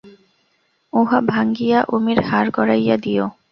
উহা ভাঙিয়া উমির হার গড়াইয়া দিয়ো।